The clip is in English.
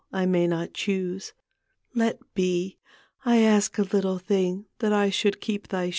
I may not dioose. Let be — I ask a little thing, That I should keep thy shoes.